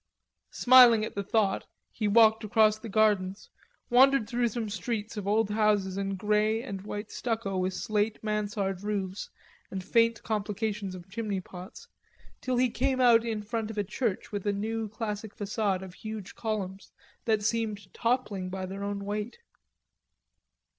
Smiling at the thought, he walked across the gardens, wandered through some streets of old houses in grey and white stucco with slate mansard roofs and fantastic complications of chimney pots till he came out in front of a church with a new classic facade of huge columns that seemed toppling by their own weight.